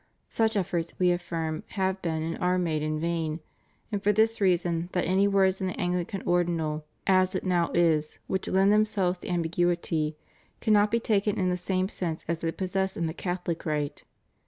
Such efforts. We affirm, have been and are made in vain, and for this reason, that any words in the Anglican Ordinal, as it now is, which lend themselves to ambiguity, cannot be taken in the same sense as they possess in the CathoHc rite.